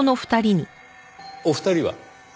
お二人は？